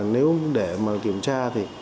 nếu để mà kiểm tra thì